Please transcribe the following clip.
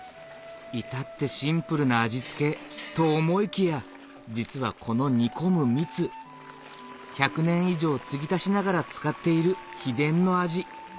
至ってシンプルな味付けと思いきや実はこの煮込む蜜１００年以上継ぎ足しながら使っている秘伝の味